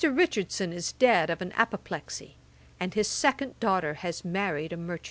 Richardson is dead of an apoplexy, and his second daughter has married a merchant.